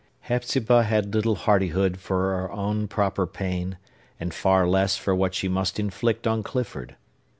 Hepzibah had little hardihood for her own proper pain, and far less for what she must inflict on Clifford.